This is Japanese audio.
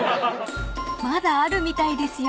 ［まだあるみたいですよ］